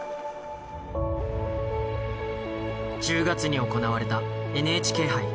１０月に行われたＮＨＫ杯。